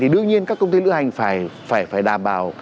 thì đương nhiên các công ty lửa hành phải đảm bảo